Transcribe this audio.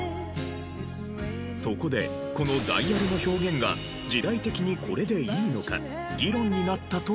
そこでこの「ダイヤル」の表現が時代的にこれでいいのか議論になったというが。